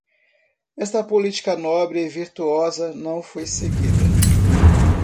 Esta política nobre e virtuosa não foi seguida.